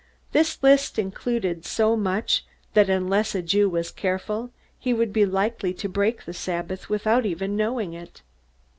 This list included so much that unless a Jew was careful, he would be likely to break the Sabbath without even knowing it.